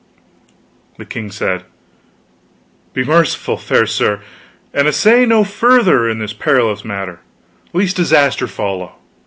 The king said: "Be merciful, fair sir, and essay no further in this perilous matter, lest disaster follow.